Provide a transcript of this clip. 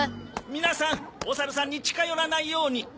皆さんお猿さんに近寄らないように。